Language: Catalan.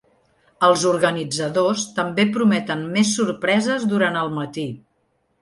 Els organitzadors també prometen més sorpreses durant el matí.